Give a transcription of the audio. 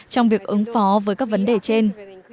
trong việc ứng phó với các vấn đề trên